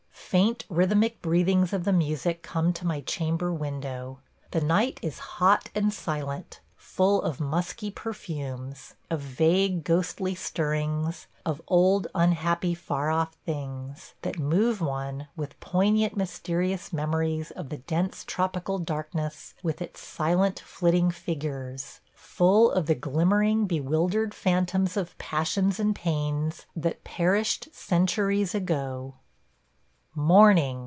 ... Faint rhythmic breathings of the music come to my chamber window. The night is hot and silent – full of musky perfumes, of vague ghostly stirrings, of "old unhappy far off things," that move one with poignant mysterious memories of the dense tropical darkness, with its silent, flitting figures – full of the glimmering, bewildered phantoms of passions and pains that perished centuries ago. ... Morning!